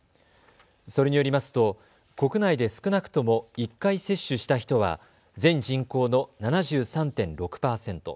それによりますと国内で少なくとも１回接種した人は全人口の７３．６％。